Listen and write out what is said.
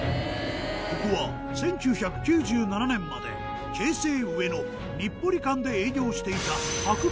ここは１９９７年まで京成上野日暮里間で営業していた。